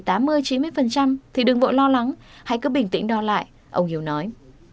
thì đừng vội lo lắng hãy cứ bình tĩnh đo lại ông hiếu nói